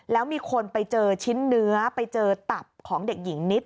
แล้วมีคนไปเจอชิ้นเนื้อไปเจอตับของเด็กหญิงนิด